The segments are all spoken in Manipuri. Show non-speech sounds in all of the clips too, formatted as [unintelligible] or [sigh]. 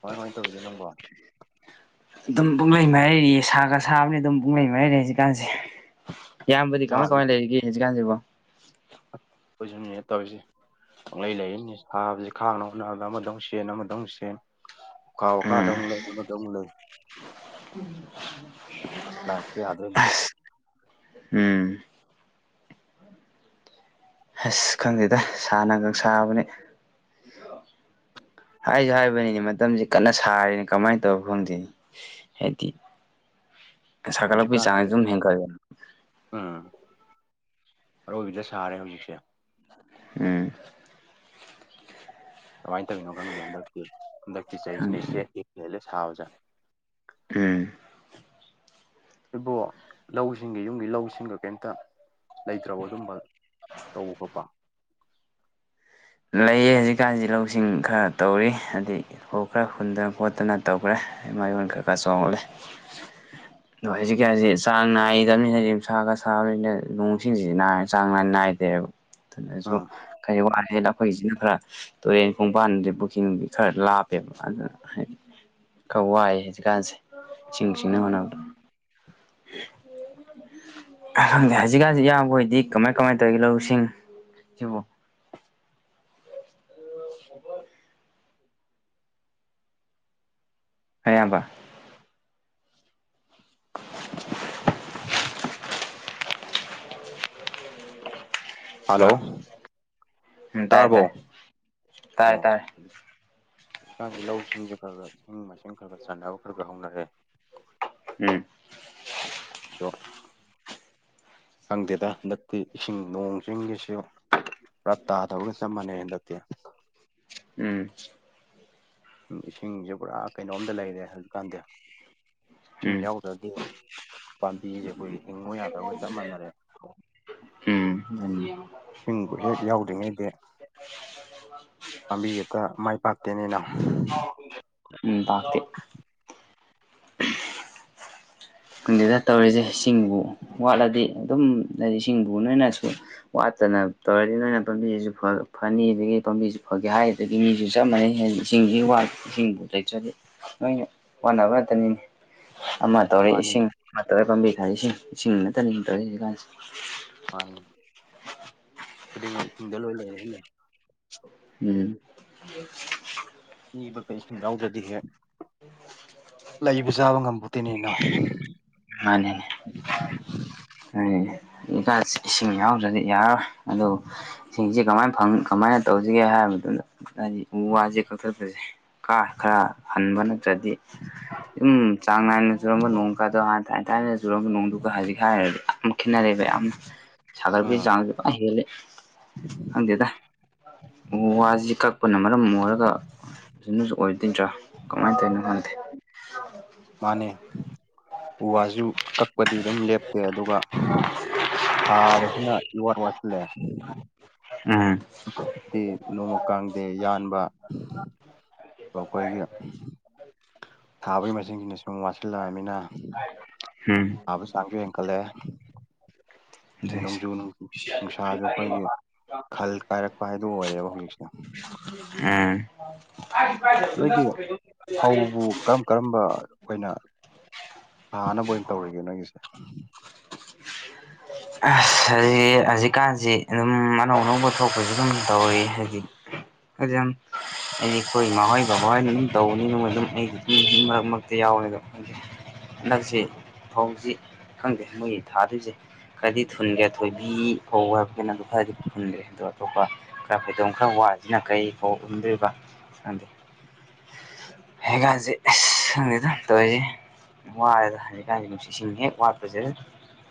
ꯀꯃꯥꯏ ꯀꯃꯥꯏ ꯇꯧꯔꯤꯒꯦ ꯅꯪꯕꯣ ꯑꯗꯨꯝ ꯄꯨꯡꯂꯩ ꯃꯥꯏꯔꯩꯔꯤꯌꯦ ꯁꯥꯒ ꯁꯥꯕꯅꯤ ꯑꯗꯨꯝ ꯄꯨꯡꯂꯩ ꯃꯥꯏꯔꯩ ꯂꯩ ꯍꯧꯖꯤꯀꯥꯟꯁꯦ ꯏꯌꯥꯝꯕꯗꯤ ꯀꯃꯥꯏ ꯁꯥꯁꯤ ꯀꯃꯥꯏꯅ ꯂꯩꯔꯤꯒꯦ ꯍꯧꯖꯤꯛꯀꯥꯟꯁꯤꯕꯣ ꯑꯣꯏꯁꯟꯅꯤꯅ ꯇꯧꯔꯤꯁꯦ ꯄꯣꯂꯩ ꯂꯩꯔꯤꯅꯤ ꯁꯥꯥꯕꯁꯤ ꯈꯥꯡꯅꯕ ꯍꯣꯠꯅꯕꯗ ꯑꯃꯗꯧ ꯁꯦꯟ ꯑꯃꯗꯧ ꯁꯦꯟ ꯀꯥꯎ ꯎꯝ ꯀꯥꯗ [unintelligible] ꯂꯩ [unintelligible] ꯂ ꯌꯥꯗ꯭ꯔꯣꯏ ꯑꯁ ꯎꯝ ꯑꯁ ꯈꯪꯗꯦꯗ ꯁꯥꯟꯅꯒ ꯁꯥꯕꯅꯦ ꯍꯥꯏꯁꯨ ꯍꯥꯏꯕꯅꯤꯅꯦ ꯃꯇꯝꯁꯤ ꯀꯟꯅ ꯁꯥꯔꯦꯅ ꯀꯃꯥꯏꯅ ꯇꯧꯕꯅꯣ ꯈꯪꯗꯦꯅꯤ ꯍꯥꯏꯗꯤ ꯁꯀꯠꯂꯛꯄ ꯍꯧꯖꯤꯛꯀꯥꯟꯗꯤ ꯆꯥꯡ ꯗꯨꯝ ꯍꯦꯟꯒꯠ ꯂꯛꯑꯥ ꯎꯝ ꯑꯔꯣꯏꯕꯤꯗ ꯁꯥꯔꯦ ꯍꯧꯖꯤꯛꯁꯦ ꯎꯝ ꯀꯃꯥꯏꯅ ꯇꯧꯔꯤꯅꯣ ꯈꯪꯗꯦ ꯍꯟꯗꯛꯇꯤ ꯍꯟꯗꯛꯇꯤ ꯆꯍꯤꯁꯤꯅ ꯈꯪꯗꯦꯅꯦ ꯏꯍꯦꯟ ꯍꯦꯜꯂꯦ ꯁꯥꯕꯁꯦ ꯎꯝ ꯑꯗꯨꯕ‌‌ꯣ ꯂꯧꯁꯤꯡꯒꯤ ꯌꯨꯝꯒꯤ ꯂꯧꯁꯤꯡꯒ ꯀꯩꯝꯇ ꯂꯩꯇ꯭ꯔꯕ ꯑꯗꯨꯝꯕ ꯇꯧꯕ ꯈꯣꯠꯄ ꯂꯩꯌꯦ ꯍꯧꯖꯤꯛꯀꯥꯟꯁꯤꯖꯤ ꯂꯧꯁꯤꯡ ꯈꯔ ꯇꯧꯔꯤ ꯑꯗꯒꯤ ꯍꯧꯈ꯭ꯔꯦ ꯍꯨꯟꯗꯅ ꯈꯣꯠꯇꯅ ꯇꯧꯈ꯭ꯔꯦ ꯏꯃꯥꯌꯣꯟ ꯈꯔ ꯈꯔ ꯆꯣꯡꯉꯠꯂꯦ [inaudible] ꯑꯗꯣ ꯍꯧꯖꯤꯛ ꯀꯟꯁꯤ ꯆꯥꯡ ꯅꯥꯏꯗꯕꯅꯤꯅ ꯅꯨꯡꯁꯥꯒ ꯁꯥꯕꯅꯤꯅ ꯅꯣꯡ ꯁꯤꯡꯁꯤꯅꯥ ꯆꯥꯡ ꯅꯥꯏ ꯅꯥꯏꯗꯦꯕ ꯑꯗꯨꯁꯨ ꯎꯝ ꯀꯩ ꯋꯥꯔꯦꯅ ꯑꯩꯈꯣꯏꯁꯤꯅ ꯈꯔ ꯇꯨꯔꯦꯟ ꯈꯣꯡꯕꯥꯟ ꯄꯨꯛ ꯅꯨꯡꯈꯤ ꯈꯔ ꯂꯥꯞꯄꯦꯕ ꯑꯗꯨꯅ ꯍꯥꯏꯗꯤ ꯈꯥꯋꯥꯏ ꯍꯧꯖꯤꯛꯀꯥꯟꯁꯦ ꯏꯁꯤꯡ ꯁꯤꯡꯅ ꯎꯝ ꯍꯣꯠꯅꯕꯗ [inaudible] ꯈꯪꯗꯦ ꯍꯧꯖꯤꯛꯀꯟꯁꯦ ꯏꯌꯥꯝꯕꯣꯏꯗꯤ ꯀꯃꯥꯏ ꯀꯃꯥꯏꯅ ꯇꯧꯔꯤꯒꯦ ꯂꯧ ꯁꯤꯡ ꯁꯤꯕꯨ ꯍ ꯏꯌꯥꯝꯕ ꯍꯂꯣ ꯍꯜꯂꯣ ꯎꯝ ꯇꯥꯏ ꯇꯥꯔꯕꯣ ꯇꯥꯏ ꯇꯥꯔꯦ ꯑꯣ ꯇꯥꯔꯦ ꯍꯧꯖꯤꯛꯀꯥꯟꯁꯤ ꯂꯧꯁꯤꯡꯁꯦ ꯈꯔ ꯈꯔ ꯏꯁꯤꯡ ꯃꯥꯏ ꯁꯤꯡ ꯈꯔ ꯈꯔ ꯆꯥꯏꯅꯕ ꯈꯔ ꯈꯔ ꯍꯧꯅꯔꯦ ꯎꯝ ꯑꯗꯣ ꯈꯪꯗꯦꯗ ꯍꯟꯗꯛꯇꯤ ꯏꯁꯤꯡ ꯅꯣꯡ ꯆꯤꯡꯁꯤꯁꯨ ꯄꯨꯔꯥ ꯇꯥꯗꯕꯒ ꯆꯞ ꯃꯥꯟꯅꯩ ꯍꯟꯗꯛꯇꯤ [unintelligible] ꯎꯝ ꯎꯝ ꯏꯁꯤꯡꯁꯦ ꯄꯨꯔꯥ ꯀꯩꯅꯣꯝꯗ ꯂꯩꯔꯦ ꯍꯧꯖꯤꯛꯀꯥꯟꯗꯤ ꯏꯁꯤꯡ ꯎꯝ ꯌꯥꯎꯗ꯭ꯔꯗꯤ ꯄꯥꯝꯕꯤꯁꯦ ꯑꯩꯈꯣꯏꯒꯤ ꯍꯤꯡꯉꯨ ꯌꯥꯗꯕꯒ ꯆꯞ ꯃꯥꯟꯅꯔꯦ ꯎꯝ ꯎꯝ ꯏꯁꯤꯡꯕꯨ ꯍꯦꯛ ꯌꯥꯎꯗ꯭ꯔꯤꯉꯩꯗꯤ ꯄꯥꯝꯕꯤ ꯍꯦꯛꯇ ꯃꯥꯏ ꯄꯥꯛꯇꯦꯅꯦ ꯏꯅꯥꯎ ꯎꯝ ꯇꯥꯥꯛꯇ [inaudible] ꯗꯪꯗꯤꯗ ꯇꯧꯔꯤꯖꯦ ꯏꯁꯤꯡꯕꯨ ꯋꯥꯠꯂꯗꯤ ꯑꯗꯨꯝ ꯍꯥꯏꯗꯤ ꯏꯁꯤꯡꯕꯨ ꯅꯣꯏꯅꯁꯨ ꯋꯥꯠꯇꯅ ꯇꯧꯔꯗꯤ ꯅꯣꯏꯅ ꯄꯥꯝꯕꯤꯖꯤꯖꯨ ꯐ ꯐꯅꯤ ꯑꯗꯒꯤ ꯄꯥꯝꯕꯤꯁꯤ ꯐꯒꯦ ꯍꯥꯏ ꯑꯗꯒꯤ ꯃꯤꯖꯨ ꯆꯞ ꯃꯥꯟꯅꯩ ꯍꯦ ꯏꯁꯤꯡꯖꯤ ꯋꯥꯠ ꯏꯁꯤꯡꯕꯨ ꯂꯩꯇ꯭ꯔꯗꯤ ꯅꯣꯏꯅ ꯋꯥꯅꯕ ꯉꯥꯛꯇꯅꯤꯅꯦ ꯑꯃ ꯇꯧꯔꯦ ꯃꯥꯅꯤ ꯏꯁꯤꯡ ꯑꯃ ꯇꯧꯔꯦ ꯄꯥꯝꯕꯤ ꯈꯔ ꯏꯁꯤꯡ ꯏꯁꯤꯡ ꯅꯠꯇꯅꯤ ꯇꯧꯔꯦ ꯍꯧꯖꯤꯛꯀꯥꯟꯁꯤ ꯃꯅꯤ ꯈꯨꯗꯤꯡꯃꯛ ꯏꯁꯤꯡꯗ ꯂꯣꯏ ꯂꯩꯔꯦꯅꯦ ꯎꯝ ꯅꯤꯕ ꯀꯩ ꯌꯥꯎꯗ꯭ꯔꯗꯤ ꯂꯩꯕ ꯆꯥꯕ ꯉꯝꯄꯣꯟꯇꯦꯅꯦ ꯏꯅꯥꯎ ꯃꯥꯅꯤꯅꯦ ꯑꯗꯨꯅꯤꯅꯦ ꯏꯁꯤꯡ ꯌꯥꯎꯗ꯭ꯔꯗꯤ ꯌꯥꯔꯔꯣꯏ ꯑꯗꯨꯕꯨ ꯏꯁꯤꯡꯖꯦ ꯀꯃꯥꯏ ꯐꯪ ꯀꯃꯥꯏꯅ ꯇꯧꯁꯤꯒꯦ ꯍꯥꯏꯔꯕꯗꯨꯗ ꯍꯥꯏꯗꯤ ꯎ ꯋꯥꯖꯦ ꯀꯛꯊꯠꯄꯖꯦ ꯀꯥ ꯈꯔ ꯍꯟꯕ ꯅꯠꯇ꯭ꯔꯗꯤ ꯑꯗꯨꯨꯝ ꯆꯥꯡ ꯅꯥꯏꯅ ꯆꯨꯔꯝꯕ ꯅꯣꯡ ꯀꯥꯗꯣ ꯍꯥꯟꯅ ꯊꯥꯏꯅ ꯊꯥꯏꯅ ꯆꯨꯔꯝꯕ ꯅꯣꯡꯗꯨꯒ ꯍꯥꯏꯖꯤꯛ ꯍꯥꯏꯔꯗꯤ ꯌꯥꯝ ꯈꯦꯠꯅꯔꯦꯕ ꯌꯥꯝꯅ ꯁꯥꯒꯠꯄꯒꯤ ꯎꯝ ꯆꯥꯡ ꯖꯨ ꯐꯖꯅ ꯍꯦꯜꯂꯦ ꯈꯪꯗꯦꯗ ꯎ ꯋꯥꯖꯤ ꯀꯛꯄꯅ ꯃꯔꯝ ꯑꯣꯏꯔꯒ ꯑꯁꯤꯅꯁꯨ ꯑꯣꯏꯗꯣꯏꯗ꯭ꯔꯥ ꯀꯃꯥꯏ ꯇꯧꯔꯤꯅꯣ ꯈꯪꯗꯦ ꯃꯥꯅꯦ ꯎ ꯋꯥꯖꯨ ꯀꯛꯄꯗꯤ ꯑꯗꯨꯝ ꯂꯦꯞꯇꯦ ꯑꯗꯨꯒ ꯊꯥꯕꯁꯤꯅ ꯏꯋꯥꯠ ꯋꯥꯠꯁꯤꯜꯂꯦ ꯎꯝ ꯗꯤ ꯅꯣꯡꯃ ꯀꯥꯡꯗꯦ ꯌꯥꯟꯕ ꯑꯩꯈꯣꯏꯒꯤ ꯊꯥꯕꯒꯤ ꯃꯁꯤꯡꯁꯤꯅ ꯁꯨꯝ ꯋꯥꯠꯁꯤꯜꯂꯛꯑꯃꯤꯅ ꯎꯝ ꯊꯥꯕ ꯆꯥꯡꯖꯨ ꯍꯦꯟꯀꯠꯂꯛꯑꯦ ꯑꯗꯨꯅꯤꯁꯦ ꯅꯣꯡꯖꯨ ꯅꯨꯡ ꯅꯨꯡꯁꯥꯖꯨ ꯑꯩꯈꯣꯏꯒꯤ ꯈꯜ ꯀꯥꯏꯔꯛꯄ ꯍꯥꯏꯗꯣ ꯑꯣꯏꯔꯦꯕ ꯍꯧꯖꯤꯛꯁꯦ ꯎꯝ ꯅꯣꯏꯒꯤ ꯐꯧꯕꯨ [unintelligible] ꯀꯔꯝ ꯀꯔꯝꯕ ꯑꯣꯏꯅ ꯊꯥꯅꯕ ꯑꯣꯏꯅ ꯇꯧꯔꯤꯒꯦ ꯅꯣꯏꯒꯤꯁꯦ ꯑꯁ ꯍꯧꯖꯤ ꯍꯧꯖꯤꯛꯀꯥꯟꯖꯤ ꯑꯗꯨꯝ ꯑꯅꯧ ꯑꯅꯧꯕ ꯊꯣꯛꯄꯖꯤ ꯗꯨꯝ ꯇꯧꯔꯤ ꯍꯧꯖꯤꯛ ꯍꯥꯏꯗꯤ ꯌꯥꯝ ꯑꯩꯗꯤ ꯑꯩꯈꯣꯏ ꯏꯃꯥꯍꯣꯏ ꯕꯕꯥꯍꯣꯏꯅ ꯑꯗꯨꯝ ꯇꯧꯕꯅꯤꯅ ꯃꯣꯏ ꯑꯗꯨꯝ ꯑꯩꯗꯤ ꯑꯗꯨꯝ ꯃꯔꯛ ꯃꯔꯛꯇ ꯌꯥꯎꯋꯦꯕ ꯍꯟꯗꯛꯁꯦ ꯐꯧꯖꯤ ꯈꯪꯗꯦ ꯃꯣꯏꯒꯤ ꯊꯥꯗꯣꯏꯖꯦ ꯈꯔꯗꯤ ꯊꯨꯟꯒ꯭ꯔꯦ ꯊꯣꯏꯕꯤ ꯐꯧ ꯍꯥꯏꯕꯒꯩꯅ ꯑꯗꯨ ꯈꯔꯗꯤ ꯍꯨꯟꯈ꯭ꯔꯦ ꯑꯗꯨ ꯑꯇꯣꯞꯄ ꯈꯔ ꯐꯩꯗꯣꯝ ꯈꯔ ꯋꯥꯁꯤꯅ ꯀꯔꯤ ꯐꯧ ꯍꯨꯟꯗꯣꯏꯕ ꯈꯪꯗꯦ ꯍꯦꯒꯥꯟꯖꯤ ꯑꯩꯁ ꯈꯪꯗꯦꯗ ꯇꯧꯔꯤꯖꯦ ꯋꯥꯔꯦꯗ ꯍꯧꯖꯤꯛ ꯀꯥꯟꯗꯤ ꯅꯨꯡꯁꯤꯠꯁꯤꯡ ꯍꯦꯛ ꯋꯥꯠꯄꯖꯤꯗ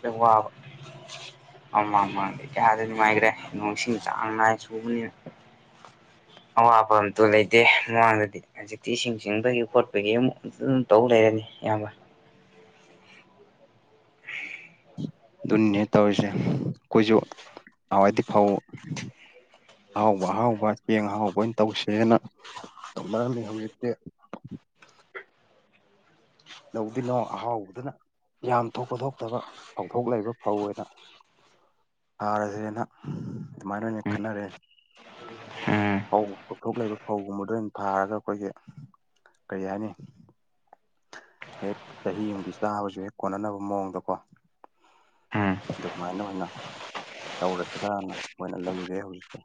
ꯍꯦꯛ ꯋꯥꯕ ꯇꯥꯕ ꯉꯝꯗꯕ ꯑꯃꯥꯡ ꯃꯥꯡꯗꯦ ꯀꯌꯥꯗꯤ ꯅꯨꯡꯉꯥꯏꯒ꯭ꯔꯦ ꯅꯣꯡꯁꯤꯡ ꯆꯥꯡ ꯅꯥꯏ ꯆꯨꯕꯅꯤꯅ ꯑꯋꯥꯕ ꯑꯝꯇꯣ ꯂꯩꯇꯦ ꯃꯃꯥꯡꯗꯗꯤ ꯍꯧꯖꯤꯛꯇꯤ ꯏꯁꯤꯡ ꯆꯤꯡꯕꯒꯤ ꯈꯣꯠꯄꯒꯤ ꯑꯃꯨꯛ ꯑꯗꯨꯝ ꯇꯧ ꯂꯩꯔꯅꯤ ꯏꯌꯥꯝꯕ ꯑꯗꯨꯅꯤꯅꯍꯦ ꯇꯧꯔꯤꯖꯦ ꯑꯩꯈꯣꯏꯁꯨ ꯅꯍꯥꯋꯥꯏꯗꯤ ꯐꯧ ꯑꯍꯥꯎꯕ ꯑꯍꯥꯎꯕ ꯆꯦꯡ ꯑꯍꯥꯎꯕ ꯑꯣꯏꯅ ꯇꯧꯁꯦꯅ ꯇꯧꯅꯔꯝꯅꯤ ꯍꯧꯖꯤꯛꯇꯤ ꯂꯧꯗꯤꯅꯣ ꯑꯍꯥꯎꯕꯗꯅ ꯌꯥꯝ ꯊꯣꯛꯄ ꯊꯣꯛꯇꯕ ꯐꯧꯊꯣꯛ ꯂꯩꯕ ꯐꯧ ꯑꯣꯏꯅ ꯊꯥꯔꯖꯦꯅ ꯑꯗꯨꯃꯥꯏꯅ ꯑꯣꯏꯅ ꯈꯟꯅꯔꯦ ꯎꯝ ꯐꯧ ꯐꯧꯊꯣꯛ ꯂꯩꯕ ꯐꯧꯒꯨꯝꯕꯗꯣ ꯑꯣꯏꯅ ꯊꯥꯔꯒ ꯑꯩꯈꯣꯏꯒꯤ ꯀꯔꯤ ꯍꯥꯏꯅꯤ ꯍꯦꯛ ꯆꯍꯤ ꯑꯃꯒꯤ ꯆꯥꯕꯖꯨ ꯍꯦꯛ ꯀꯣꯟꯅꯅꯕ ꯃꯑꯣꯡꯗꯀꯣ ꯎꯝ ꯑꯗꯨꯃꯥꯏꯅ ꯑꯣꯏꯅ ꯇꯧꯔꯁꯤꯔꯥꯅ ꯑꯣꯏꯅ ꯂꯩꯔꯦ ꯍꯧꯖꯤꯛꯁꯦ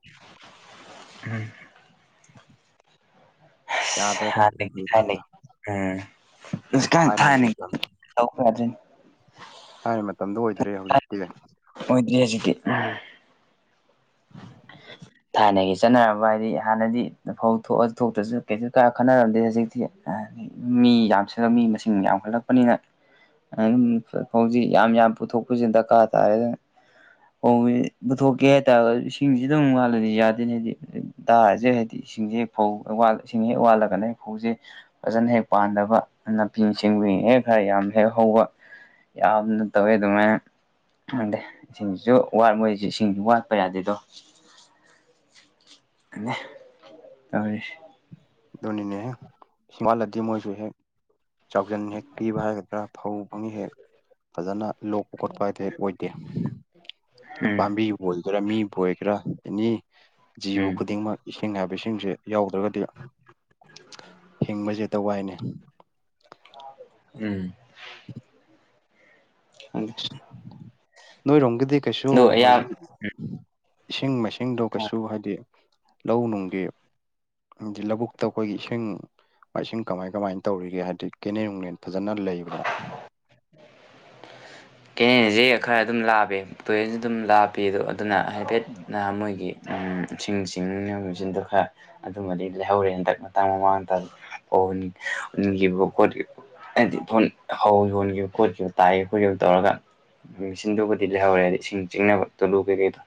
ꯎꯝ ꯌꯥꯗ꯭ꯔꯦꯗ ꯍꯥꯟꯅꯒꯤ ꯍꯧꯖꯤꯛꯀꯥꯟꯁꯦ ꯍꯥꯏꯅꯩ ꯎꯝ ꯍꯩꯖꯤꯛꯀꯥꯟ ꯊꯥꯏꯅꯒꯤ ꯇꯧꯕꯗꯨꯅꯤ ꯊꯥꯏꯅ ꯃꯇꯝꯗꯣ ꯑꯣꯏꯗ꯭ꯔꯦ ꯍꯧꯖꯤꯛꯇꯤ ꯃꯣꯏꯗꯤ ꯍꯩꯖꯤꯛꯗꯤ ꯎꯝ [unintelligible] ꯊꯥꯏꯅꯒꯤ ꯆꯠꯅꯔꯕ ꯍꯥꯏꯗꯤ ꯍꯥꯟꯅꯗꯤ ꯐꯧ ꯊꯣꯛꯑ ꯊꯣꯛꯇ꯭ꯔꯁꯨ ꯀꯩꯁꯨ ꯀꯥ ꯈꯠꯅꯔꯝꯗꯦ ꯍꯧꯖꯤꯛꯇꯤ ꯃꯤ ꯌꯥꯝꯁꯤꯜꯂꯛ ꯃꯤ ꯃꯁꯤꯡ ꯌꯥꯝꯈꯠꯂꯛꯄꯅꯤꯅ ꯑꯗꯨꯝ ꯍꯧꯖꯤꯛ ꯌꯥꯝ ꯌꯥꯝ ꯄꯨꯊꯣꯛꯄꯁꯤ ꯗꯔꯀꯥꯔ ꯇꯥꯔꯦꯗꯅ ꯍ ꯄꯧꯒꯤ ꯄꯨꯊꯣꯛꯀꯦ ꯍꯥꯏꯇꯥꯔꯒꯖꯨ ꯏꯁꯤꯡꯁꯤ ꯑꯗꯨꯝ ꯋꯥꯠꯂꯗꯤ ꯌꯥꯗꯦꯅꯦ ꯍꯥꯏꯗꯤ ꯗꯥꯔꯖꯦ ꯍꯥꯏꯗꯤ ꯏꯁꯤꯡꯖꯦ ꯐꯧ ꯋꯥꯠꯂ ꯏꯁꯤꯡ ꯍꯦꯛ ꯋꯥꯠꯂꯒꯅꯦ ꯍꯦꯛ ꯐꯧꯖꯦ ꯐꯖꯅ ꯍꯦꯛ ꯄꯥꯟꯗꯕ ꯅꯥꯄꯤ ꯁꯤꯡꯕꯤꯅ ꯍꯦꯛ ꯈꯔ ꯌꯥꯝ ꯍꯦꯛ ꯍꯧꯕ ꯌꯥꯝꯅ ꯇꯧꯋꯦ ꯑꯗꯨꯃꯥꯏꯅ ꯈꯪꯗꯦ ꯏꯁꯤꯡꯖꯤꯖꯨ ꯋꯥꯠ ꯃꯣꯏꯁꯨ ꯏꯁꯤꯡꯁꯨ ꯋꯥꯠ ꯄ ꯌꯥꯗꯦꯗꯣ ꯑꯅꯦ ꯇꯧꯔꯤꯁꯤ ꯗꯨꯅꯤꯅꯦ ꯍꯦ ꯁꯤꯃꯥꯟꯅꯗꯦ ꯃꯣꯢꯖꯨ ꯍꯦꯛ ꯆꯥꯎꯖꯟ ꯍꯦꯛ ꯊꯤꯕ ꯍꯥꯏꯒꯗ꯭ꯔꯥ ꯐꯧ ꯐꯪꯉꯦ ꯍꯦꯛ ꯐꯖꯅ ꯂꯣꯛꯄ ꯈꯣꯠꯄ ꯍꯥꯏꯗꯤ ꯍꯦꯛ ꯑꯣꯏꯗꯦ ꯎꯝ ꯄꯥꯝꯕꯤꯕꯨ ꯑꯣꯏꯒꯦꯔꯥ ꯃꯤꯕꯨ ꯑꯣꯏꯒꯦꯔꯥ ꯑꯦꯅꯤ ꯖꯤꯕ ꯎꯝ ꯈꯨꯗꯤꯡꯃꯛ ꯏꯁꯤꯡ ꯍꯥꯏꯕ ꯏꯁꯤꯡꯁꯦ ꯌꯥꯎꯗ꯭ꯔꯒꯗꯤ ꯍꯤꯡꯕꯖꯦ ꯍꯦꯛꯇ ꯋꯥꯏꯅꯦ ꯎꯝ ꯍꯪꯗꯦ ꯅꯣꯏꯔꯣꯝꯒꯤꯗꯤ ꯀꯩꯁꯨ ꯑꯗꯣ ꯑꯌꯥꯝ ꯍꯧꯖꯤꯛ ꯏꯁꯤꯡ ꯃꯥꯏꯁꯤꯡ ꯏꯁꯤꯡꯗꯣ ꯀꯩꯁꯨ ꯍꯥꯏꯗꯤ ꯂꯧ ꯅꯨꯡꯒꯤ ꯍꯥꯏꯗꯤ ꯂꯧꯕꯨꯛꯇ ꯑꯩꯈꯣꯏꯒꯤ ꯏꯁꯤꯡ ꯃꯥꯏꯁꯤꯡ ꯀꯃꯥꯏ ꯀꯃꯥꯏꯅ ꯇꯧꯔꯤꯒꯦ ꯍꯥꯏꯗꯤ ꯀꯦꯅꯦꯟ ꯅꯨꯡꯂꯦꯟ ꯐꯖꯅ ꯂꯩꯕꯅ ꯀꯦꯅꯦꯟꯖꯦ ꯈꯔ ꯑꯗꯨꯝ ꯂꯥꯞꯄꯦ ꯇꯨꯔꯦꯟꯁꯨ ꯑꯗꯨꯝ ꯂꯥꯞꯄꯤ ꯑꯗꯣ ꯑꯗꯨꯅ ꯍꯥꯏꯐꯦꯠ ꯅꯍ ꯃꯣꯏꯒꯤ ꯎꯝ ꯏꯁꯤꯡ ꯆꯤꯡꯅꯕ ꯃꯦꯆꯤꯟꯗꯣ ꯈꯔ ꯑꯗꯨꯃꯗꯤ ꯂꯩꯍꯧꯔꯦ ꯍꯟꯗꯛ ꯃꯇꯥꯡ ꯃꯃꯥꯡꯗ ꯎꯟ ꯎꯟꯈꯤꯕ ꯈꯣꯠꯈꯤ ꯍꯥꯏꯗꯤ ꯐꯣꯟ ꯍꯧ ꯌꯣꯟꯒꯤꯕ ꯈꯣꯠꯈꯤꯕ ꯇꯥꯏꯌꯦ ꯈꯣꯏꯒꯤ ꯍꯧꯖꯤꯛ ꯇꯧꯔꯒ ꯃꯦꯆꯤꯟꯗꯨꯕꯨꯗꯤ ꯂꯩꯍꯧꯔꯦ ꯍꯥꯏꯗꯤ ꯏꯁꯤꯡ ꯆꯤꯡꯅꯕ ꯇꯣꯂꯨ ꯀꯩꯀꯩꯗꯣ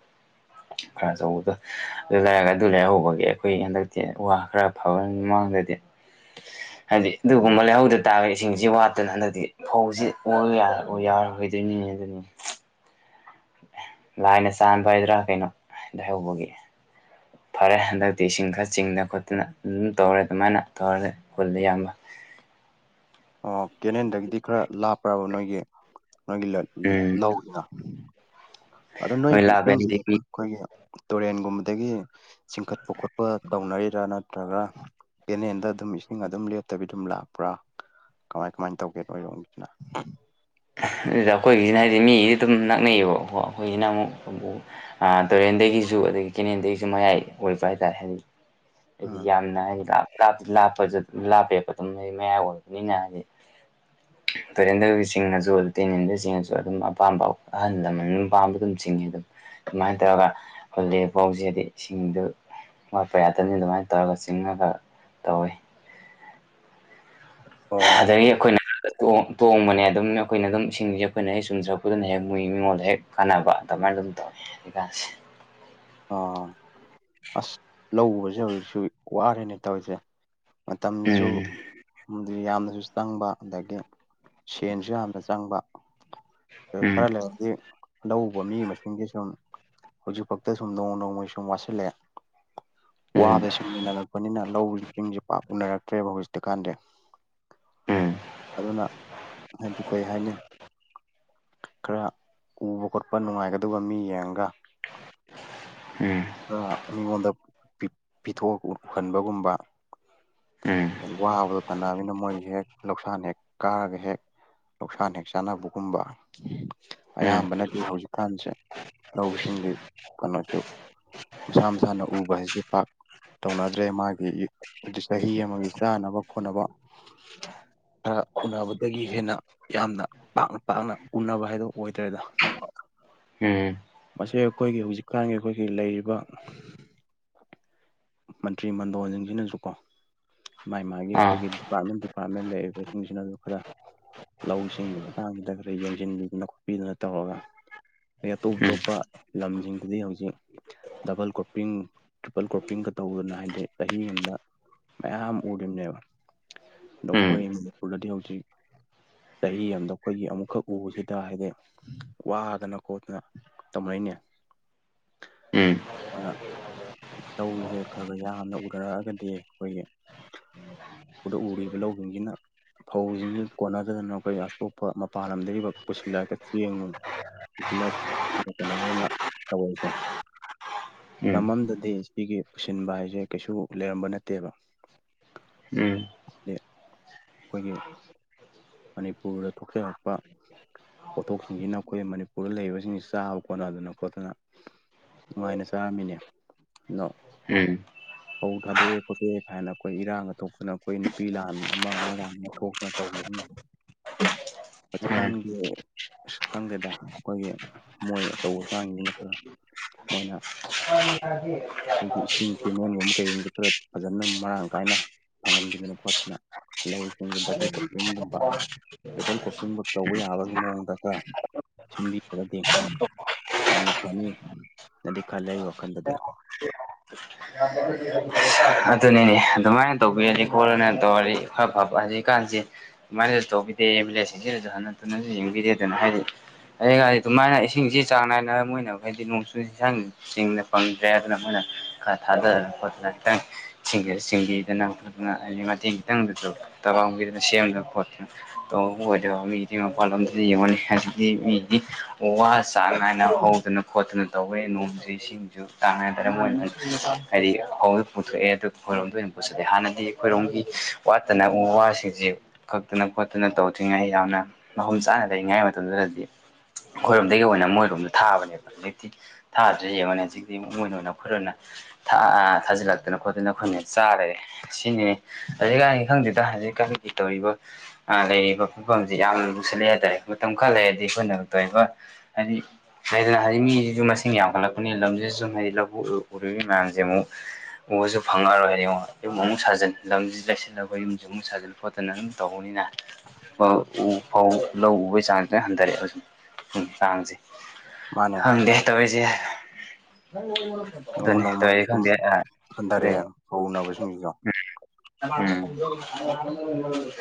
ꯈꯔ ꯑꯆꯧꯕꯗꯣ ꯑꯗꯨ ꯂꯩꯔꯒ ꯑꯗꯨ ꯂꯩꯍꯧꯕꯒꯤ ꯑꯩꯈꯣꯏ ꯍꯟꯗꯛꯇꯤ ꯋꯥ ꯈꯔ ꯐꯕ ꯃꯃꯥꯡꯗꯗꯤ [unintelligible] ꯍꯥꯏꯗꯤ ꯑꯗꯨꯒꯨꯝꯕ ꯂꯩꯍꯧꯗ ꯇꯥꯔꯒ ꯏꯁꯤꯡꯁꯤ ꯋꯥꯠꯇꯅ ꯍꯟꯗꯛꯇꯤ ꯐꯧꯁꯤ ꯑꯣꯏꯌꯨ ꯌꯥꯔ ꯑꯣ ꯌꯥꯔꯣꯏꯗꯣꯏꯅꯤꯅꯦ ꯑꯗꯨꯅꯤ ꯂꯥꯏꯅ ꯆꯥꯟꯕ ꯍꯥꯏꯗ꯭ꯔꯥ ꯀꯩꯅꯣ ꯂꯩꯍꯧꯕꯒꯤ ꯐꯔꯦ ꯍꯟꯗꯛꯇꯤ ꯏꯁꯤꯡ ꯈꯔ ꯆꯤꯡꯗꯅ ꯈꯣꯠꯇꯅ ꯑꯗꯨꯝ ꯇꯧꯔꯦ ꯑꯗꯨꯃꯥꯏꯅ ꯇꯧꯍꯜꯂꯦ ꯍꯨꯜꯂꯦ ꯏꯌꯥꯝꯕ ꯑꯣ ꯀꯦꯅꯦꯟꯗꯒꯤꯗꯤ ꯈꯔ ꯂꯥꯞꯄ꯭ꯔꯕ ꯅꯣꯏꯒꯤ ꯅꯣꯏꯒꯤ ꯂꯜ ꯂꯧ ꯎꯝ ꯂꯧꯗꯣ ꯑꯗ ꯍꯣꯏ ꯅꯣꯏꯒꯤ ꯏꯁꯤꯡꯁꯤꯗꯤ ꯂꯥꯕꯦꯟꯗꯤ ꯃꯤ ꯈꯣꯏ ꯑꯩꯈꯣꯏꯒꯤ ꯇꯨꯔꯦꯟꯒꯨꯝꯕꯗꯒꯤ ꯆꯤꯡꯈꯠꯄ ꯈꯣꯠꯄ ꯇꯧꯅꯔꯤꯔꯅ ꯅꯠꯇ꯭ꯔꯒ ꯄꯦꯅꯦꯟꯗ ꯑꯗꯨꯝ ꯏꯁꯤꯡ ꯑꯗꯨꯝ ꯂꯦꯞꯇꯕꯤ ꯑꯗꯨꯝ ꯂꯥꯛꯄ꯭ꯔꯥ ꯀꯃꯥꯏ ꯀꯃꯥꯏꯅ ꯇꯧꯒꯦ ꯅꯣꯏꯔꯣꯝꯒꯤꯁꯤꯅ ꯑꯗꯨꯗ ꯑꯩꯈꯣꯏꯒꯤꯁꯤꯅ ꯍꯥꯏꯗꯤ ꯃꯤꯒꯤꯗꯤ ꯑꯗꯨꯝ ꯅꯛꯅꯩꯌꯦꯕꯀꯣ ꯑꯩꯈꯣꯏꯒꯤꯅ ꯑꯃꯨꯛ ꯑ ꯇꯨꯔꯦꯟꯗꯒꯤꯁꯨ ꯑꯗꯒꯤ ꯀꯦꯅꯦꯟꯗꯒꯤꯁꯨ ꯃꯌꯥꯏ ꯑꯣꯏꯕ ꯍꯥꯏꯇꯥꯔꯦ ꯍꯥꯏꯗꯤ ꯗꯨꯒꯤ ꯎꯝ ꯌꯥꯝꯅ ꯑꯩꯒꯤꯗ ꯂꯥꯞꯄꯁꯨ ꯂꯥꯞꯄ ꯆꯠ ꯂꯥꯞꯄꯦ ꯑꯗꯨꯝ ꯑꯩ ꯃꯌꯥ ꯑꯣꯏꯔꯕꯅꯤꯅ ꯍꯥꯏꯗꯤ ꯇꯨꯔꯦꯟ ꯆꯤꯡꯅꯁꯨ ꯑꯗꯨ ꯇꯦꯟ ꯏꯟꯗꯁꯤꯡꯅꯁꯨ ꯑꯗꯨꯝ ꯑꯄꯥꯝꯕ ꯑꯍꯜ ꯂꯃꯟ ꯑꯗꯨꯝ ꯑꯄꯥꯝꯕ ꯑꯗꯨꯝ ꯆꯤꯡꯉꯦ ꯑꯗꯨꯝ ꯑꯗꯨꯃꯥꯏ ꯇꯧꯔꯒ ꯍꯨꯜꯂꯦ ꯐꯥꯎꯖꯤꯗꯤ ꯏꯁꯤꯡꯗꯨ ꯋꯥꯠꯄ ꯌꯥꯇꯝꯅꯤ ꯑꯗꯨꯃꯥꯏꯅ ꯇꯧꯔꯒ ꯆꯤꯡꯉꯒ ꯇꯧꯋꯤ ꯑꯣ ꯑꯗꯒꯤ ꯑꯩꯈꯣꯏꯅ ꯇꯣꯡ ꯇꯣꯡꯕꯅꯦ ꯑꯗꯨꯝ ꯑꯩꯈꯣꯏꯅ ꯑꯗꯨꯝ ꯏꯁꯤꯡꯖꯦ ꯑꯩꯈꯣꯏꯅ ꯍꯦꯛ ꯆꯨꯝꯖꯔꯛꯄꯗꯨꯅ ꯍꯦꯛ ꯃꯣꯏ ꯃꯤꯉꯣꯟꯗ ꯍꯦꯛ ꯀꯥꯟꯅꯕ ꯑꯗꯨꯃꯥꯏꯅ ꯑꯗꯨꯝ ꯇꯧꯋꯤ ꯍꯧꯖꯤꯀꯥꯟꯁꯦ ꯑꯥ ꯑꯁ ꯂꯧꯎꯕꯁꯦ ꯍꯧꯖꯤꯛꯁꯨ ꯋꯥꯔꯦꯅꯦ ꯇꯧꯔꯤꯁꯦ ꯃꯇꯝꯖꯨ ꯍꯨꯝꯗ꯭ꯔꯤ ꯌꯥꯝꯅꯁꯨ ꯆꯪꯕ ꯑꯗꯒꯤ ꯁꯦꯟꯁꯨ ꯌꯥꯝꯅ ꯆꯪꯕ꯫ ꯎꯝ ꯈꯔ ꯂꯩꯔꯗꯤ ꯂꯧꯕ ꯃꯤ ꯃꯁꯤꯡꯒꯤ ꯁꯨꯝ ꯍꯧꯖꯤꯛ ꯐꯥꯎ ꯇꯁꯨꯝ ꯅꯣꯡꯃ ꯅꯣꯡꯃꯒꯤ ꯁꯨꯝ ꯋꯥꯁꯤꯜꯂꯦ꯫ ꯎꯝ ꯋꯥꯗ ꯁꯨꯃꯤꯟꯅꯔꯛꯄꯅꯤꯅ ꯂꯧꯔꯤꯁꯤꯡꯁꯦ ꯄꯥꯛ ꯎꯅꯔꯛꯇ꯭ꯔꯦꯕ ꯍꯧꯖꯤꯛꯇꯤ ꯀꯥꯟꯗꯤ꯫ ꯎꯝ꯫ ꯑꯗꯨꯅ ꯍꯥꯏꯗꯤ ꯀꯔꯤ ꯍꯥꯏꯅꯤ꯫ ꯈꯔ ꯎꯕ ꯈꯣꯠꯄ ꯅꯨꯡꯉꯥꯏꯒꯗꯧꯕ ꯃꯤ ꯌꯦꯡꯉꯒ ꯎꯝ꯫ ꯈꯔ ꯃꯤꯉꯣꯟꯗ ꯄꯤ ꯄꯤꯊꯣꯛ ꯎꯍꯟꯕꯒꯨꯝꯕ ꯎꯝ꯫ ꯋꯥꯕꯗꯣ ꯇꯥꯟꯅꯝꯅꯤꯅ ꯃꯣꯏꯖꯦ ꯍꯦꯛ ꯂꯧꯁꯥꯟ ꯍꯦꯛ ꯀꯥꯔꯒ ꯍꯦꯛ ꯂꯧꯁꯥꯟ ꯍꯦꯛ ꯆꯥꯟꯅꯕꯒꯨꯝꯕ ꯎꯝ ꯑꯌꯥꯝꯕꯅꯗꯤ ꯍꯧꯖꯤꯛꯀꯥꯟꯁꯦ ꯂꯧꯁꯤꯡꯒꯤ ꯀꯩꯅꯣꯁꯨ ꯃꯁꯥ ꯃꯁꯥꯅ ꯎꯕ ꯍꯥꯏꯁꯦ ꯄꯥꯛ ꯇꯧꯅꯗ꯭ꯔꯦ ꯃꯥꯒꯤ ꯏ ꯗꯤꯁ ꯆꯍꯤ ꯑꯃꯒꯤ ꯆꯥꯅꯕ ꯈꯣꯠꯅꯕ ꯈꯔ ꯎꯅꯕꯗꯒꯤ ꯍꯦꯟꯅ ꯌꯥꯝꯅ ꯄꯥꯛꯅ ꯄꯥꯛꯅ ꯎꯅꯕ ꯍꯥꯏꯗꯣ ꯑꯣꯏꯗ꯭ꯔꯦꯗ ꯎꯝ ꯃꯁꯤ ꯑꯩꯈꯣꯏꯒꯤ ꯍꯧꯖꯤꯛꯀꯥꯟꯒꯤ ꯑꯩꯈꯣꯏꯒꯤ ꯂꯩꯔꯤꯕ ꯃꯟꯇ꯭ꯔꯤ ꯃꯟꯗꯣꯟꯖꯤꯡꯖꯤꯅꯖꯨ ꯀꯣ ꯃꯥꯥꯏ ꯃꯥꯒꯤ ꯑꯥ ꯑꯩꯈꯣꯏꯒꯤ ꯗꯤꯄꯥꯔꯠꯃꯦꯟ-ꯗꯤꯄꯥꯔꯠꯃꯦꯟ ꯂꯩꯔꯤꯕꯁꯤꯡꯁꯤꯅꯁꯨ ꯈꯔ ꯂꯧꯁꯤꯡꯒꯤ ꯃꯇꯥꯡꯁꯤꯗ ꯈꯔ ꯌꯦꯡꯁꯤꯟꯕꯤꯗꯅ ꯈꯣꯠꯄꯤꯗꯅ ꯇꯧꯔꯒ ꯑꯗꯩ ꯑꯇꯣꯞ ꯎꯝ ꯑꯇꯣꯞ ꯄꯥ ꯂꯝꯁꯤꯡꯁꯤꯗꯤ ꯍꯧꯖꯤꯛ ꯗꯕꯜ ꯀ꯭ꯔꯣꯄꯤꯡ ꯇ꯭ꯔꯤꯄꯜ ꯀ꯭ꯔꯣꯞꯄꯤꯡꯒ ꯇꯧꯗꯅ ꯍꯥꯏꯗꯤ ꯆꯍꯤ ꯑꯃꯗ ꯃꯌꯥꯝ ꯎꯔꯤꯕꯅꯦꯕ ꯗꫭ ꯎꯝ ꯑꯈꯣꯏ ꯃꯅꯤꯄꯨꯔꯗꯗꯤ ꯍꯧꯖꯤꯛ ꯆꯍꯤ ꯑꯃꯗ ꯑꯩꯈꯣꯏꯒꯤ ꯑꯃꯨꯛꯈꯛ ꯎꯕꯁꯤꯗ ꯍꯥꯏꯗꯤ ꯋꯥꯗꯅ ꯈꯣꯠꯇꯅ ꯇꯧꯃꯩꯅꯦ ꯎꯝ ꯑꯗꯨꯅ ꯇꯧꯕꯁꯦ ꯈꯔ ꯈꯔ ꯌꯥꯝꯅ ꯎꯅꯔꯛꯑꯒꯗꯤ ꯑꯈꯣꯏꯒꯤ ꯗ ꯎꯔꯤꯕ ꯂꯧꯁꯤꯡꯁꯤꯅ ꯐꯧꯁꯤꯡꯁꯤ ꯀꯣꯟꯅꯗꯗꯅ ꯑꯩꯈꯣꯏ ꯑꯇꯣꯞꯄ ꯃꯄꯥꯟ ꯂꯝꯗꯒꯤꯒ ꯄꯨꯁꯤꯜꯂꯒ ꯆꯦꯡ [inaudible] ꯎꯝ ꯇꯝ ꯑꯃꯗꯗꯤ ꯁꯤꯒꯤ ꯄꯨꯁꯤꯟꯕ ꯍꯥꯏꯁꯦ ꯀꯩꯁꯨ ꯂꯩꯔꯝꯕ ꯅꯠꯇꯦꯕ꯫ ꯎꯝ ꯈꯣꯏꯒꯤ ꯃꯅꯤꯄꯨꯔꯗ ꯊꯣꯛꯆꯔꯛꯄ ꯄꯣꯠꯊꯣꯛꯁꯤꯡꯁꯤꯅ ꯑꯩꯈꯣꯏ ꯃꯅꯤꯄꯨꯔꯗ ꯂꯩꯔꯤꯕꯁꯤꯡꯁꯤ ꯆꯥꯕ ꯀꫭꯅꯗꯅ ꯈꯣꯠꯇꯅ ꯅꯨꯡꯉꯥꯏꯅ ꯆꯥꯔꯝꯃꯤꯅꯦ ꯅꯣ꯫ ꯎꯝ꯫ [inaudible] ꯐꯧ ꯊꯥꯗꯣꯛꯑꯦ ꯈꯣꯠꯇꯣꯛꯑꯦ ꯀꯥꯏꯅ ꯑꯩꯈꯣꯏ ꯏꯔꯥꯡꯒ ꯊꯣꯛꯇꯅ ꯑꯩꯈꯣꯏ ꯅꯨꯄꯤ ꯂꯥꯟ ꯑꯃ ꯑꯃ ꯂꯥꯟ ꯑꯃ ꯊꯣꯛꯇꯅ꯫ [inaudible] ꯎꯝ ꯍꯧꯖꯤꯛꯀꯥꯟꯒꯤ ꯑꯁ ꯈꯪꯗꯦꯗ ꯑꯈꯣꯏꯒꯤ ꯃꯣꯏ ꯑꯆꯧ ꯑꯁꯡꯁꯤꯅ ꯈꯔ [inaudible] [inaudible] ꯑꯈꯣꯏꯒꯤ ꯏꯁ꯭ꯇꯤꯡ ꯄꯦꯃꯦꯟꯒꯨꯝꯕ ꯀꯩꯒꯨꯝꯕꯗ ꯈꯔ ꯐꯖꯅ ꯃꯔꯥꯡ ꯀꯥꯏꯅ ꯐꯪꯍꯟꯕꯤꯗꯅ ꯈꯣꯠꯇꯅ ꯂꯧꯁꯤꯡ ꯗꯕꯜ ꯀ꯭ꯔꯣꯄꯤꯡꯒꯨꯝꯕ ꯇꯔꯤꯄꯜ ꯀꯣꯛ ꯀꯨꯝꯕ ꯇꯧꯕ ꯌꯥꯕꯒꯤ ꯃꯑꯣꯡꯗ ꯈꯔ ꯁꯤꯟꯕꯤꯔꯒꯗꯤ ꯌꯥꯝꯅ ꯐꯅꯤ ꯅꯗꯤ ꯈꯜꯂꯦ ꯑꯩ ꯋꯥꯈꯜꯗꯗꯤ꯫ [inaudible] ꯑꯗꯨꯅꯤꯅꯦ ꯑꯗꯨꯃꯥꯏꯅ ꯇꯧꯕꯤꯔꯗꯤ ꯈꯣꯠꯂꯨꯅ ꯇꯧꯔꯗꯤ ꯏꯐ ꯐꯕ ꯍꯧꯖꯤꯛꯀꯥꯟꯁꯤ ꯑꯗꯨꯃꯥꯏꯅꯁꯨ ꯇꯧꯕꯤꯗꯦ ꯑꯦꯝ ꯑꯦꯜ ꯑꯦꯁꯤꯡꯁꯤꯗꯁꯨ ꯍꯟꯅ ꯊꯨꯅꯁꯨ ꯌꯦꯡꯕꯤꯗ‌ꯦꯗ ꯅ ꯍꯥꯏꯔꯤ ꯑꯩ ꯍꯥꯏ ꯑꯗꯨꯃꯥꯏꯅ ꯏꯁꯤꯡꯁꯤ ꯆꯥꯡ ꯅꯥꯏꯅ ꯃꯣꯏꯅꯕ ꯍꫭꯏꯗꯤ ꯅꯣꯡꯆꯨꯁꯤ ꯁꯪꯉꯤ ꯆꯤꯡꯅ ꯐꯪꯗ꯭ꯔꯦ ꯑꯗꯨꯅ ꯃꯣꯏꯅ ꯈꯔ ꯊꯥꯗꯔ ꯈꯣꯠꯅ ꯈꯤꯇꯪ [inaudible] [inaudible] ꯇꯅ ꯈꯣꯠꯇꯅ ꯇꯧꯋꯦ ꯅꯣꯡꯁꯨ ꯏꯁꯤꯡꯁꯨ ꯆꯥꯡꯅꯥꯏꯗꯝ ꯑꯣꯏ ꯍꯥꯏꯗꯤ ꯍꯧ ꯄꯨꯊꯣꯛꯑꯦ ꯑꯗꯨ ꯈꯣꯏꯔꯣꯝꯗ ꯑꯣꯏꯅ ꯄꯨꯁꯤꯜꯂꯦ ꯍꯥꯟꯅꯗꯤ ꯈꯣꯏꯔꯣꯝꯒꯤ ꯋꯥꯠꯇꯅ ꯎ ꯋꯥꯁꯤꯡꯁꯤ ꯀꯛꯇꯅ ꯈꯣꯠꯇꯅ ꯇꯧꯗ꯭ꯔꯤꯉꯩ ꯌꯥꯝꯅ ꯃꯐꯝ ꯆꯥꯅ ꯂꯩꯉꯥꯏ ꯃꯇꯝꯗꯨꯗꯗꯤ ꯑꯩꯈꯣꯏꯔꯣꯝꯗꯒꯤ ꯑꯣꯏꯅ ꯃꯣꯏꯔꯣꯝꯗ ꯊꯥꯕꯅꯦꯕ ꯍꯧꯖꯤꯛꯇꯤ ꯊꯥꯗ꯭ꯔꯤ ꯌꯦꯡꯉꯅꯤ ꯍꯧꯖꯤꯛꯇꯤ ꯏꯣꯏꯅ ꯑꯣꯏꯅ ꯐꯠ ꯑꯣꯏꯅ ꯊꯥꯖꯤꯜꯂꯛꯦ ꯐꯠꯇꯅ ꯈꯣꯠꯇꯅ ꯑꯩꯈꯣꯏꯅ ꯆꯥꯔꯦ ꯁꯤꯅꯤ ꯍꯧꯖꯤꯛꯀꯥꯟꯒꯤ ꯈꯪꯗꯗ ꯍꯧꯖꯤꯛꯀꯥꯟꯒꯤ ꯇꯧꯔꯤꯕ ꯂꯩꯔꯤꯕ ꯐꯨꯡꯐꯝꯁꯤꯦ ꯌꯥꯝꯅ ꯂꯨꯁꯜꯂꯦ ꯍꯥꯏꯇꯥꯔꯦ ꯃꯇꯝ ꯈꯔ ꯂꯩꯔꯗꯤ ꯑꯩꯈꯣꯏꯅꯛꯇꯕ ꯍꯥꯏꯔꯤ ꯂꯩꯗꯅ ꯍꯥꯏꯗꯤ ꯃꯤꯁꯤꯁꯨ ꯃꯁꯤꯡ ꯌꯥꯝꯈꯠꯂꯛꯄꯅꯤ ꯂꯝꯁꯤꯗ ꯁꯨꯝ ꯍꯥꯏꯗꯤ ꯂꯧꯕꯨ ꯎ ꯃꯌꯥꯝꯁꯦ ꯑꯃꯨꯛ ꯎꯁꯨ ꯐꯪꯉꯔꯣꯏ ꯍ ꯌꯦꯡꯉꯣ ꯌꯨꯝ ꯑꯃꯨꯛ ꯁꯥꯖꯟ ꯂꯝꯁꯤ ꯂꯩꯁꯤꯜꯂꯒ ꯌꯨꯝꯁꯨ ꯑꯃꯨꯛ ꯁꯥꯖꯟ ꯈꯣꯠꯇꯅ ꯑꯗꯨꯝ ꯇꯧꯕꯅꯤꯅ ꯐ ꯎ ꯐꯧ ꯂꯧ ꯎꯕꯒꯤ ꯆꯥꯡꯁꯤ ꯂꯣꯏ ꯍꯟꯊꯔꯛꯑꯦꯕ ꯁꯨꯝ ꯆꯥꯡꯁꯦ꯫ ꯃꯥꯅꯦ ꯈꯪꯗꯦ ꯇꯧꯔꯤꯁꯦ ꯑꯗꯨꯅꯤ ꯇꯧꯔꯤꯁꯦ ꯈꯪꯗꯦ ꯑ꯫ ꯍꯟꯗꯔꯦ ꯑꯗꯨꯅꯤ ꯐꯧ ꯎꯅꯕꯁꯤꯡꯒꯤꯁꫭ꯫ [inaudible]